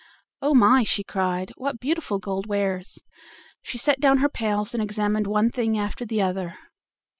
"Oh! my," she cried; "what beautiful gold wares!" she set down her pails, and examined one thing after the other.